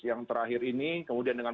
yang terakhir ini kemudian dengan